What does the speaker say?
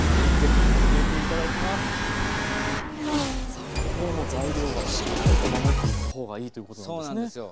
さあ今日の材料はしっかりと守っていった方がいいということなんですね？